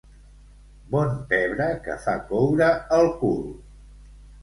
Bon pebre que fa coure el cul.